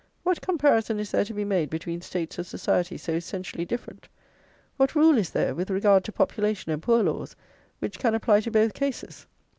What comparison is there to be made between states of society so essentially different? What rule is there, with regard to population and poor laws, which can apply to both cases?